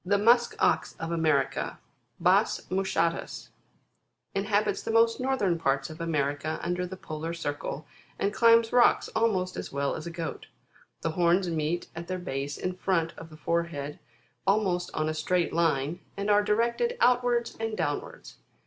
15. The ;)/?/.*/< Ox of America, IJs Moschatva t ~(Plate6. fig. 2.) inhabits the most northern parts of America, under the polar circle, and climbs rocks almost as well as a goat. The horns meet at their base in front of the forehead almost on a straight line, and are directed outwards and downwards.